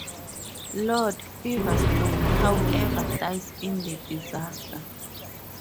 Lord Feverstone, however, dies in the disaster.